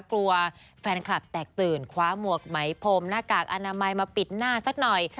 กลัวแฟนคลับแตกตื่นคว้าหมวกไหมพรมหน้ากากอนามัยมาปิดหน้าสักหน่อย